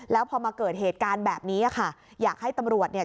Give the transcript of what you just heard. แล้วพอมาเกิดเหตุการณ์แบบนี้ค่ะอยากให้ตำรวจเนี่ย